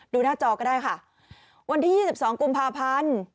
หน้าจอก็ได้ค่ะวันที่๒๒กุมภาพันธ์